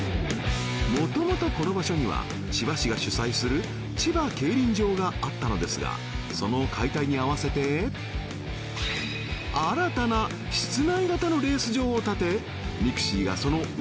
もともとこの場所には千葉市が主催する千葉競輪場があったのですがその解体にあわせて新たなこのピスト